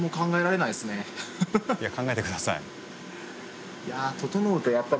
いや考えて下さい。